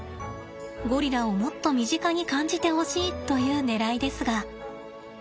ゴリラをもっと身近に感じてほしいというねらいですが。